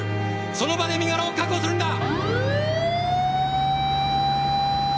その場で身柄を確保するんだ！